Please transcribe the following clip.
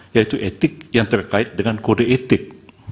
yaitu etik yang terkait dengan kode etik